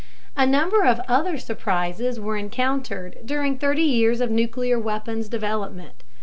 A number of other surprises were encountered during 30 years of nuclear weapons development.